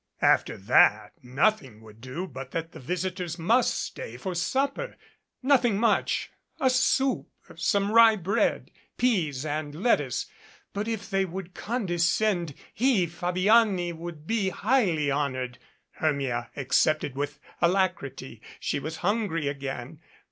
After that nothing would do but that the visitors must stay for supper. Nothing much a soup, some rye bread, peas, and lettuce, but, if they would condescend, he, Fabiani, would be highly honored. Hermia accepted with alacrity. She was hungry again.